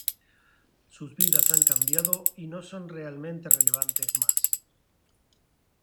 Sus vidas han cambiado y no son realmente relevantes más.